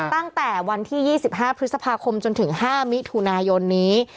ตั้งแต่วันที่๒๕พฤษภาคมจนถึง๕มิถุนายนนี้